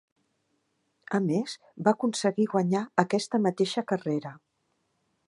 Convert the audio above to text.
A més, va aconseguir guanyar aquesta mateixa carrera.